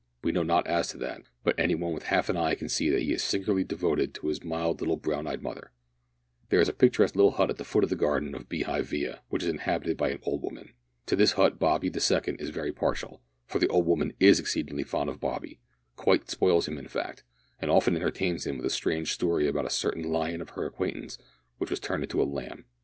We know not as to that, but any one with half an eye can see that he is singularly devoted to his mild little brown eyed mother. There is a picturesque little hut at the foot of the garden of Beehive Villa, which is inhabited by an old woman. To this hut Bobby the second is very partial, for the old woman is exceedingly fond of Bobby quite spoils him in fact and often entertains him with strange stories about a certain lion of her acquaintance which was turned into a lamb.